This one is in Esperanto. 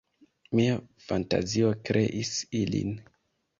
Mia fantazio kreis ilin.